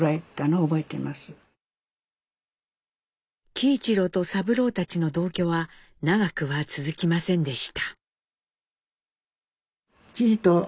喜一郎と三郎たちの同居は長くは続きませんでした。